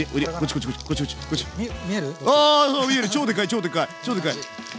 超でかい！